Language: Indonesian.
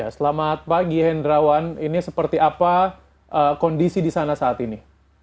selamat pagi hendrawan ini seperti apa kondisi di sana saat ini